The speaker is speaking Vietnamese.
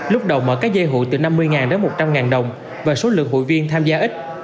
lúc đầu mở các dây hụi từ năm mươi đến một trăm linh đồng và số lượng hội viên tham gia ít